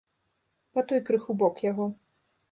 Па той крыху бок яго.